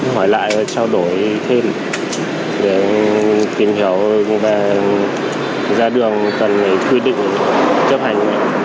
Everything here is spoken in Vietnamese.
hỏi lại và trao đổi thêm để tìm hiểu và ra đường cần quy định chấp hành